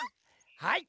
はい。